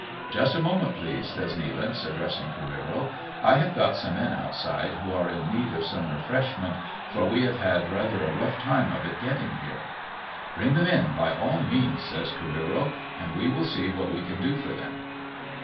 " Just a moment please," says Nealance, addressing Careero, " I have got some men outside who are in need of some refreshment, for we have had rather a rough time of it getting here." " Bring them in by all means," says Careero, " and we will see what we can do for them."